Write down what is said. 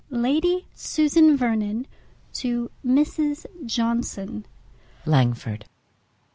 II Lady Susan Vernon to Mrs. Johnson. Langford.